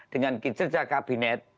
dengan kinerja kabinet